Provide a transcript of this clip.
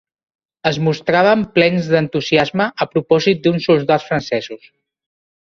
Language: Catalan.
Es mostraven plens d'entusiasme a propòsit d'uns soldats francesos